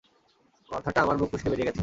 কথাটা আমার মুখ ফসকে বেরিয়ে গেছে।